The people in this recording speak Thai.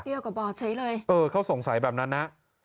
เตียงกว่าบรใช้เลยอยู่เออเค้าสงสัยแบบนั้นนะ